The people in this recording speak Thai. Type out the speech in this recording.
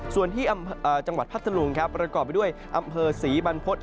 ส่วนที่จังหวัดพัทธลุงครับประกอบไปด้วยอำเภอศรีบรรพฤษ